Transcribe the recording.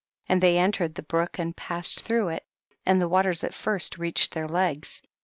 35. And they entered the brook and passed through it, and the waters at first reached their legs. 36.